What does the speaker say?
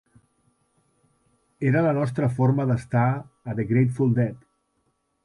Era la nostra forma d'estar a The Grateful Dead.